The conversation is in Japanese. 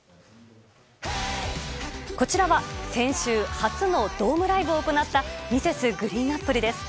こちらは先週初のドームライブを行ったＭｒｓ．ＧＲＥＥＮＡＰＰＬＥです。